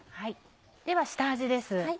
では下味です。